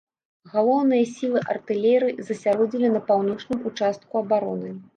Галоўныя сілы артылерыі засяродзілі на паўночным участку абароны.